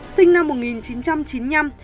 sinh năm một nghìn chín trăm chín mươi chín